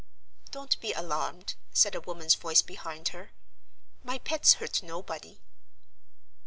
"Don't be alarmed," said a woman's voice behind her. "My pets hurt nobody."